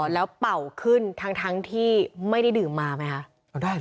แล้วเป่าขึ้นทั้งที่ไม่ได้ดื่มมาไหมคะ